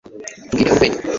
tubwire urwenya